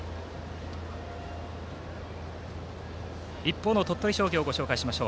一方の鳥取商業をご紹介します。